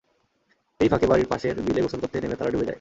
এরই ফাঁকে বাড়ির পাশের বিলে গোসল করতে নেমে তারা ডুবে যায়।